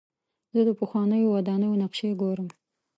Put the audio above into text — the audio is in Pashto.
زه د پخوانیو ودانیو نقشې ګورم.